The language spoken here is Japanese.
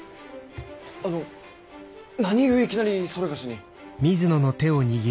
あの何故いきなりそれがしに。